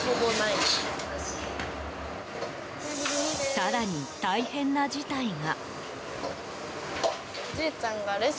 更に、大変な事態が。